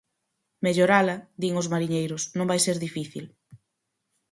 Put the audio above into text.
Mellorala, din os mariñeiros, non vai ser difícil.